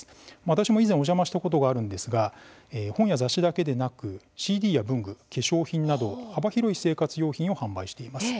私も以前お邪魔したことがあるんですが本や雑誌だけでなくＣＤや文具、化粧品など幅広い生活用品を販売しています。